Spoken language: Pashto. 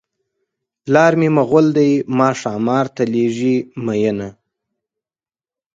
پلار مې مغل دی ما ښامار ته لېږي مینه.